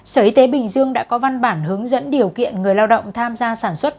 sở y tế bình dương đã có văn bản hướng dẫn điều kiện người lao động tham gia sản xuất